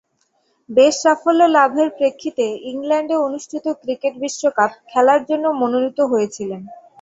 বেশ সাফল্য লাভের প্রেক্ষিতে ইংল্যান্ডে অনুষ্ঠিত ক্রিকেট বিশ্বকাপ খেলার জন্য মনোনীত হয়েছিলেন।